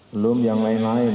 belum yang lain lain